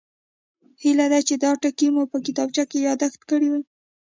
هیله ده چې دا ټکي مو په کتابچو کې یادداشت کړي وي